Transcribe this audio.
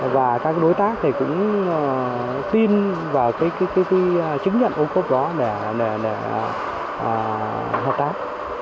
và các đối tác thì cũng tin vào chứng nhận ô cốt đó để hợp tác